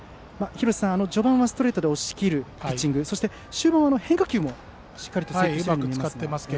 序盤はストレートで押し切るピッチングそして、中盤は変化球もしっかり制球されていますが。